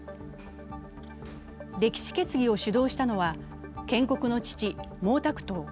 歴史決議を主導したのは、建国の父、毛沢東。